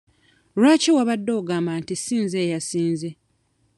Lwaki wabadde ogamba nti si nze eyasinze?